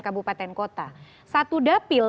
kabupaten kota satu dapil